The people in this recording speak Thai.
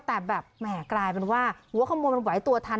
แต่แบบแหมกลายเป็นว่าหัวขโมยมันไหวตัวทัน